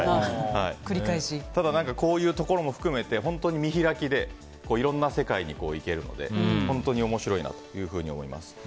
ただ、こういうところも含めて見開きでいろんな世界に行けるので本当に面白いなと思います。